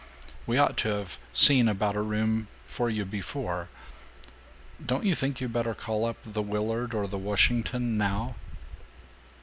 We ought to have seen about a room for you before. Don't you think you better call up the Willard or the Washington now?"